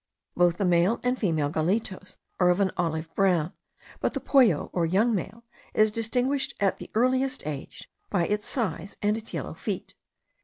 Both the male and female gallitos are of an olive brown; but the pollo, or young male, is distinguishable at the earliest age, by its size and its yellow feet.